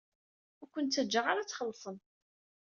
Ur ken-ttaǧǧaɣ ara ad txellṣem.